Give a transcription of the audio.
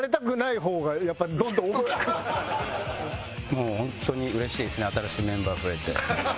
もう本当にうれしいですね新しいメンバー増えて。